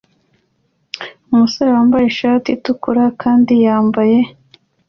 Umusore wambaye ishati itukura kandi yambaye